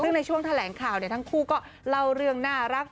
ซึ่งในช่วงแถลงข่าวทั้งคู่ก็เล่าเรื่องน่ารัก